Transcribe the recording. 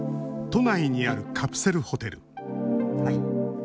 都内にある、カプセルホテル。